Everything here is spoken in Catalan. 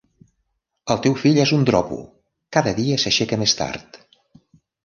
El teu fill és un dropo: cada dia s'aixeca més tard.